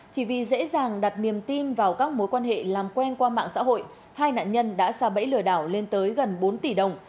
chỉ vì dễ dàng đặt niềm tin vào các mối quan hệ làm quen qua mạng xã hội hai nạn nhân đã xa bẫy lừa đảo lên tới gần bốn tỷ đồng